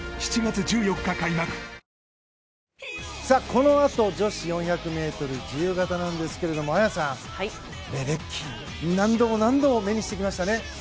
このあと女子４００ｍ自由形なんですけど綾さん、レデッキー何度も何度も目にしてきましたね。